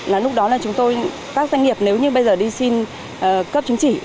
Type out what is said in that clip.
lúc đó các doanh nghiệp nếu như bây giờ đi xin cấp chứng chỉ